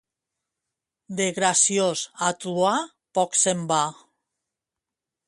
De graciós a truà, poc se'n va.